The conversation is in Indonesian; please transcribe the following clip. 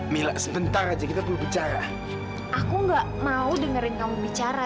mila sebentar aja kita berbicara aku nggak mau dengerin kamu bicara